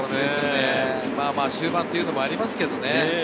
終盤というのもありますけれどね。